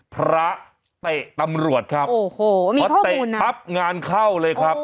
พระเตะตำรวจครับเตะปั๊บงานเข้าเลยครับ